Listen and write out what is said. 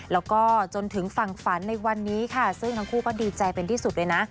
แล้วก็จนถึงฝั่งฝันในวันนี้ค่ะซึ่งทั้งคู่ก็ดีใจเป็นที่สุดเลยนะ